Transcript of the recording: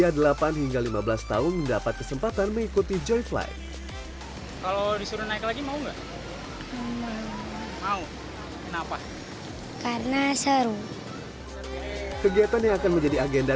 tahun disuruh naik lagi mau nggak mau kenapa karena seru kegiatan yang akan menjadi agenda